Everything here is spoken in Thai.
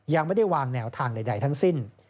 ยังไม่ได้วางแนวทางใดทั้งสิ้น